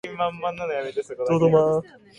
タンザニアの首都はドドマである